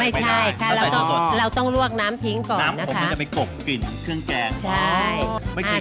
ไม่ใช่ค่ะเราต้องลวกน้ำทิ้งก่อนนะคะน้ำขมมันจะไปกกกลิ่นเครื่องแกงใช่